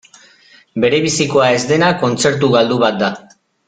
Berebizikoa ez dena kontzertu galdu bat da.